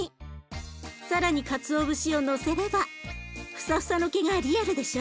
更にかつお節をのせればフサフサの毛がリアルでしょ？